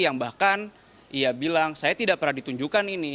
yang bahkan ia bilang saya tidak pernah ditunjukkan ini